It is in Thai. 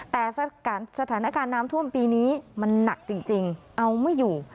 แต่สถานการณ์น้ำท่วมปีนี้มันหนักจริงเอาไม่อยู่